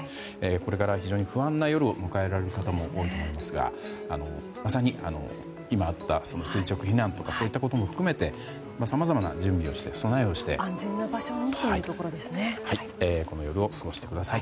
これから非常に不安な夜を迎えられる方も多いと思いますがまさに今あった垂直避難とかそういったことも含めてさまざまな準備や開けるのはあなた自身とは限りません。